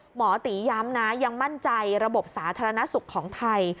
หมอตีย้ำนะยังมั่นใจระบบสาธารณสุขของไทย